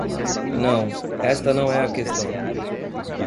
Não, esta não é a questão.